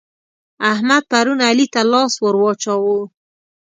احمد پرون علي ته لاس ور واچاوو.